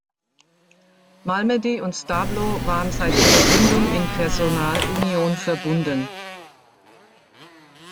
Malmedy und Stablo waren seit ihrer Gründung in Personalunion verbunden.